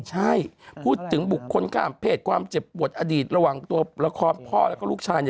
ใช่พูดถึงบุคคลข้ามเพศความเจ็บปวดอดีตระหว่างตัวละครพ่อแล้วก็ลูกชาย